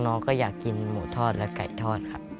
น้องก็อยากกินหมูทอดและไก่ทอดครับ